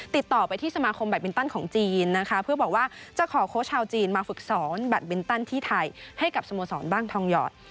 ติดต่อไปที่สมาคมแบตมินตันของจีนนะคะเพื่อบอกว่าจะขอโค้ชชาวจีนมาฝึกสอนแบตบินตันที่ไทยให้กับสโมสรบ้างทองหยอด